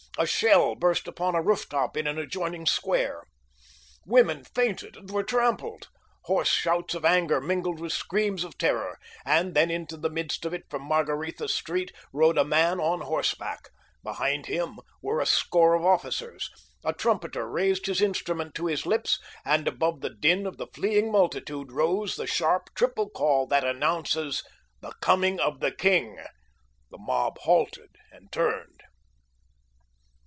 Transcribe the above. A shell burst upon a roof top in an adjoining square. Women fainted and were trampled. Hoarse shouts of anger mingled with screams of terror, and then into the midst of it from Margaretha Street rode a man on horseback. Behind him were a score of officers. A trumpeter raised his instrument to his lips, and above the din of the fleeing multitude rose the sharp, triple call that announces the coming of the king. The mob halted and turned.